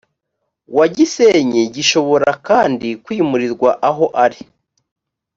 wa gisenyi gishobora kandi kwimurirwa aho ari